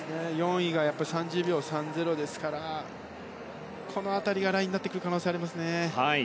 ４位が３０秒３０ですからこの辺りがラインになってくる可能性がありますね。